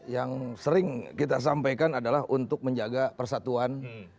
yang sering kita sampaikan adalah untuk menjaga persatuan